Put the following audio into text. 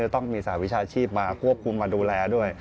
ต้องมีสหวิชาชีพมาควบคุมมาดูแลด้วย